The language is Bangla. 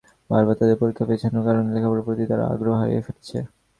বারবার তাদের পরীক্ষা পেছানোর কারণে লেখাপড়ার প্রতি তারা আগ্রহ হারিয়ে ফেলছে।